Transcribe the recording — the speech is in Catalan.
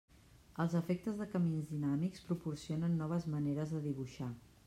Els efectes de camins dinàmics proporcionen noves maneres de dibuixar.